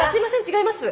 違います。